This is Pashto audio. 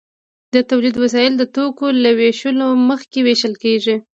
د تولید وسایل د توکو له ویشلو مخکې ویشل کیږي.